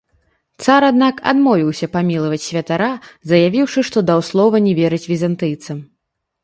Цар, аднак, адмовіўся памілаваць святара, заявіўшы, што даў слова не верыць візантыйцам.